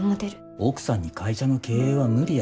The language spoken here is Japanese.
奥さんに会社の経営は無理や。